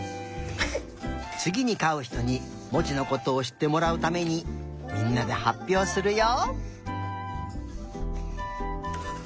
つぎにかうひとにモチのことをしってもらうためにみんなではっぴょうするよ。